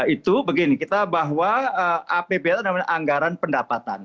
itu begini kita bahwa apbn itu namanya anggaran pendapatan